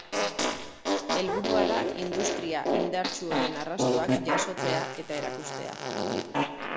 Helburua da industria indartsu honen arrastoak jasotzea eta erakustea.